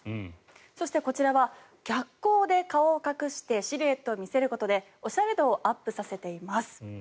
そして、こちらは逆光で顔を隠してシルエットを見せることでおしゃれ度をアップさせています。